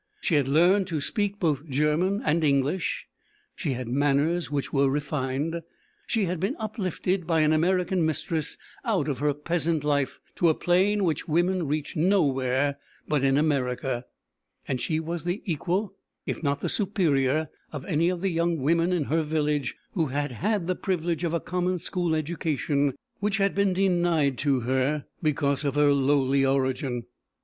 She had learned to speak both German and English, she had manners which were refined, she had been uplifted by an American mistress out of her peasant life to a plane which women reach nowhere but in America, and she was the equal if not the superior, of any of the young women in her village, who had had the privilege of a common school education which had been denied to her, because of her lowly origin.